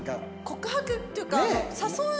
告白っていうかうわ！